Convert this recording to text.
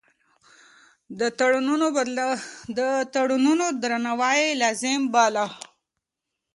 د تړونونو درناوی يې لازم باله.